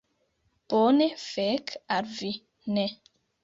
Bone, fek al vi. Ne.